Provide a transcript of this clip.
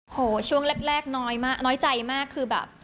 โอ้โฮช่วงแรกน้อยใจมากคือแบบ